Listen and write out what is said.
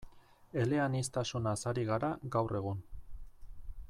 Eleaniztasunaz ari gara gaur egun.